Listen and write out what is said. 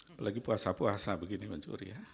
apalagi puasa puasa begini mencuri ya